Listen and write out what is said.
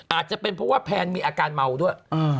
อาจจะเป็นเพราะว่าแพนมีอาการเมาด้วย